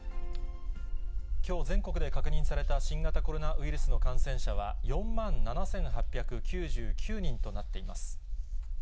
きょう全国で確認された新型コロナウイルスの感染者は４万７８９９人となっています。